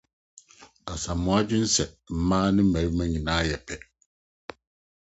Asamoa gye di sɛ mmea ne mmarima nyinaa yɛ pɛ.